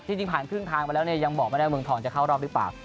ที่จริงผ่านครึ่งทางไปแล้วเนี่ยยังบอกว่าเมืองทองจะเข้ารอบรึเปล่า